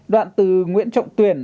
đoạn từ nguyễn trọng tuyển